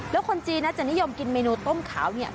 แล้วคนจีนจะนิยมกินเมนูต้มขาวเนี่ย